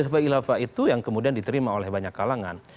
khilafah khilafah itu yang kemudian diterima oleh banyak kalangan